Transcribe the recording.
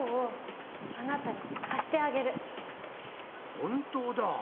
本当だ！